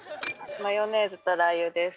マヨネーズとラー油です